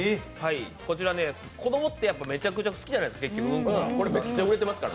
こちら子供ってめちゃくちゃ好きじゃないですか、うんこが。